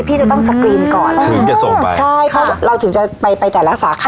พี่จะต้องสกรีนก่อนถึงจะส่งไปใช่เพราะเราถึงจะไปไปแต่ละสาขา